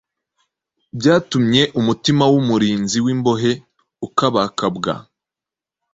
byatumye umutima w’umurinzi w’imbohe ukabakabwa